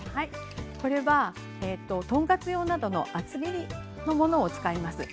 これはトンカツ用などの厚切りのものを使います。